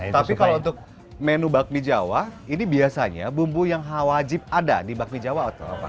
tapi kalau untuk menu bakmi jawa ini biasanya bumbu yang wajib ada di bakmi jawa atau apa